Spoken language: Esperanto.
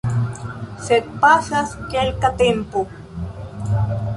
Sed pasas kelka tempo.